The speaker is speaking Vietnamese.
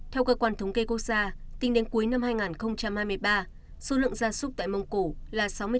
theo cơ quan thống kê quốc gia tính đến cuối năm hai nghìn hai mươi ba số lượng giá súc tại mông cổ là sáu mươi bốn bảy triệu con